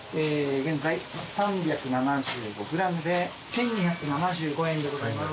現在３７５ｇで１，２７５円でございます。